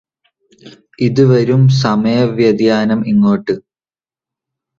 ഇത് വരും സമയ വ്യതിയാനം ഇങ്ങോട്ട്